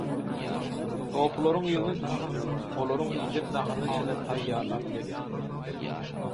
Sopularyň yzyna düşüp, olaryň iýjek naharyna çenli taýýarlap berýär.